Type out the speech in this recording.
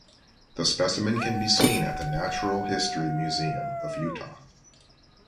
The specimen can be seen at the Natural History Museum of Utah.